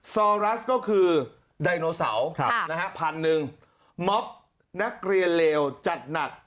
ซอรัสก็คือไดโนเสาร์พันหนึ่งม็อบนักเรียนเลวจัดหนัก